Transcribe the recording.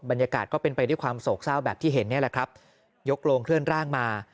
บรรยากาศก็เป็นไปด้วยความโศกเศร้าแบบที่เห็นนี่แหละครับยกโรงเคลื่อนร่างมา